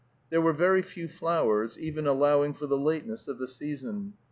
There were very few flowers, even allowing for the lateness of the season.